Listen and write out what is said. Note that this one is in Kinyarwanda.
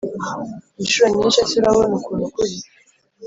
incuro nyinshi Ese urabona ukuntu kuri